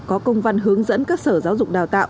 có công văn hướng dẫn các sở giáo dục đào tạo